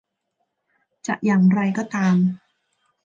จะอย่างไรก็ตาม